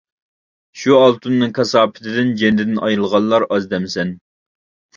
شۇ ئالتۇننىڭ كاساپىتىدىن جېنىدىن ئايرىلغانلار ئاز دەمسەن؟ !